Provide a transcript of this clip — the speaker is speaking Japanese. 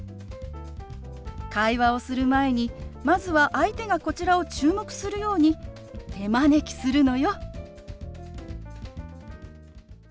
会話をする前にまずは相手がこちらを注目するように手招きするのよ。